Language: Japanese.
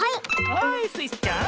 はいスイちゃん。